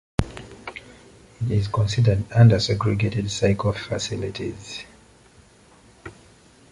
It is considered under segregated cycle facilities.